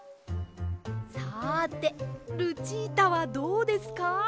さてルチータはどうですか？